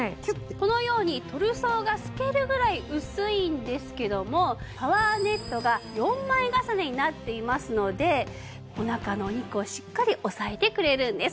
このようにトルソーが透けるぐらい薄いんですけどもパワーネットが４枚重ねになっていますのでお腹のお肉をしっかり押さえてくれるんです。